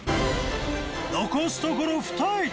残すところ２駅。